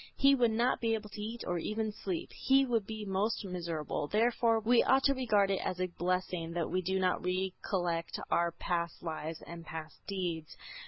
He would not be able to eat or even sleep. He would be most miserable. Therefore we ought to regard it as a great blessing that we do not recollect our past lives and past deeds.